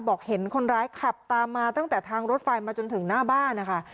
บอกเห็นคนร้ายขับตามมาตั้งแต่ทางรถไฟมาจนถึงหน้าบ้านนะคะ